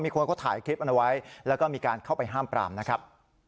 คนเขาถ่ายคลิปเอาไว้แล้วก็มีการเข้าไปห้ามปรามนะครับ